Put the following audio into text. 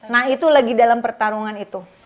nah itu lagi dalam pertarungan itu